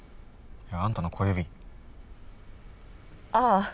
いやあんたの小指ああ